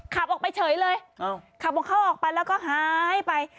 ขับออกไปเฉยเลยขับของเขาออกไปแล้วก็หายไป